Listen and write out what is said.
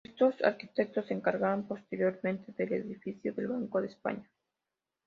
Estos arquitectos se encargaron posteriormente del edificio del Banco de España.